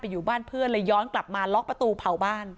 อยู่บ้านเพื่อนเลยย้อนกลับมาล็อกประตูเผาบ้าน